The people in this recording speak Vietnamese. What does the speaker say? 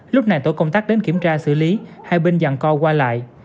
lúc này tổ công tác đến kiểm tra xử lý hai bên dàn co qua lại